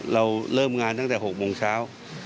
เราเริ่มงานตั้งแต่๖โมงเช้า